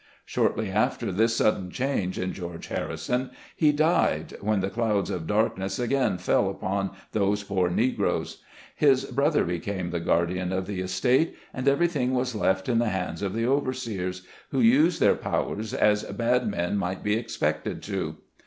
Shortly after this sudden change in Geo. Harrison, he died, when the clouds of darkness again fell about those poor Negroes. His brother became the guard ian of the estate, and everything was left in the FARMS ADJOINING EDLOE' S. 171 hands of overseers, who used their power as bad men might be expected to.